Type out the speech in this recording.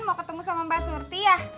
mau ketemu sama mbak surthi yah